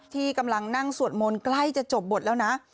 ที่กำลังนั่งสวดมนต์ใกล้จะจบบทแล้วนะ